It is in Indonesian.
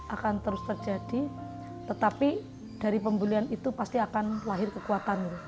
akan terus terjadi tetapi dari pembulian itu pasti akan lahir kekuatan